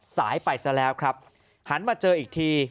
สายไปซะแล้วครับหันมาเจออีกที